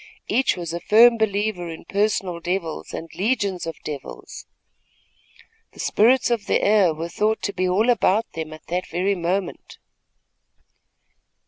Each was a firm believer in personal devils and legions of devils. The spirits of the air were thought to be all about them, even at that very moment.